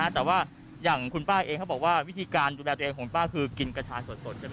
แต่ว่าอย่างคุณป้าเองเขาบอกว่าวิธีการดูแลตัวเองของป้าคือกินกระชายสดใช่ไหม